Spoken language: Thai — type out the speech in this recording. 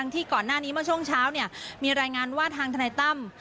ที่ก่อนหน้านี้เมื่อช่วงเช้ามีรายงานว่าทางทนายตั้ม